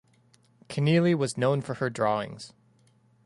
Kenneally was known for her drawings.